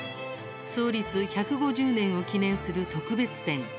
創立１５０年を記念する特別展